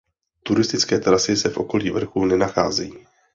Turistické trasy se v okolí vrchu nenacházejí.